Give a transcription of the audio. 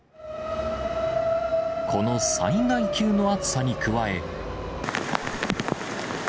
この災害級の暑さに加え。